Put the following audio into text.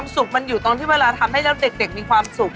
ความสุขมันอยู่เวลาทำให้เราเด็กมีความสุข